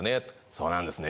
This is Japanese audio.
「そうなんですね」